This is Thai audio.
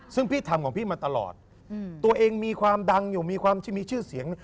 ซึ่งพี่ทำของพี่มาตลอดตัวเองมีความดังอยู่มีความที่มีชื่อเสียง